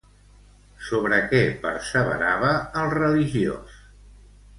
Sobre què perseverava el religiós?